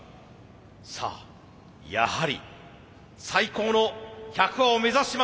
さあやはり最高の１００羽を目指します。